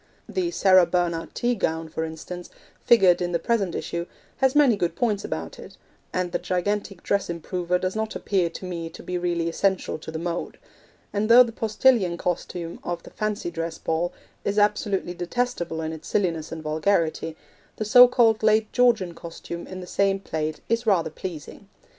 The Sarah Bernhardt tea gown, for instance, figured in the present issue, has many good points about it, and the gigantic dress improver does not appear to me to be really essential to the mode; and though the Postillion costume of the fancy dress ball is absolutely detestable in its silliness and vulgarity, the so called Late Georgian costume in the same plate is rather pleasing.